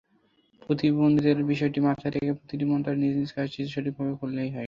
প্রতিবন্ধীদের বিষয়টি মাথায় রেখে প্রতিটি মন্ত্রণালয় নিজ নিজ কাজটি সঠিকভাবে করলেই হয়।